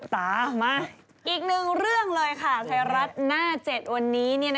ตามมาอีกหนึ่งเรื่องเลยค่ะไทยรัฐหน้า๗วันนี้